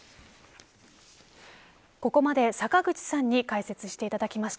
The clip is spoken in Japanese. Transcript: ここまで坂口さんに解説していただきました。